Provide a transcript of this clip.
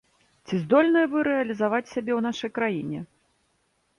Ці здольныя вы рэалізаваць сябе ў нашай краіне?